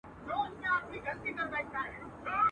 قلندر ته کار مهم د تربیت وو.